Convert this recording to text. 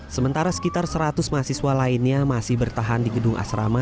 sementara sekitar seratus mahasiswa lainnya masih bertahan di gedung asrama